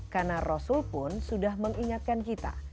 karena rasul pun sudah mengingatkan kita